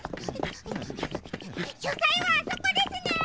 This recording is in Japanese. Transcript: しょさいはあそこですね！